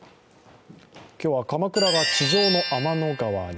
今日はかまくらが地上の天の川に。